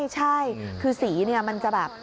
ใช่คือสีมันจะแบบ